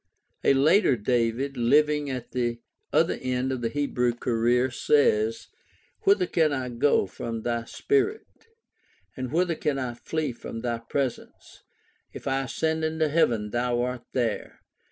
A later "David," living at the other end of the Hebrew career, says: Whither can I go from thy spirit ? And whither can I flee from thy presence ? If I ascend into heaven, thou art there.